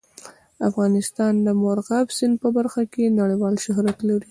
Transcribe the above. افغانستان د مورغاب سیند په برخه کې نړیوال شهرت لري.